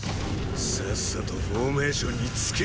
さっさとフォーメーションにつけ。